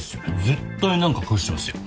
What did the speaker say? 絶対何か隠してますよ。